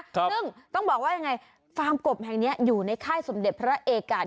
ซึ่งต้องบอกว่ายังไงฟาร์มกบแห่งนี้อยู่ในค่ายสมเด็จพระเอกา